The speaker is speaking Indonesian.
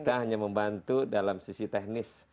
kita hanya membantu dalam sisi teknis